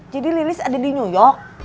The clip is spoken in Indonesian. jadi lilis ada di nyuyok